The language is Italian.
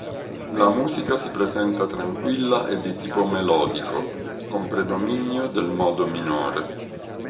La musica si presenta tranquilla e di tipo melodico, con predominio del modo minore.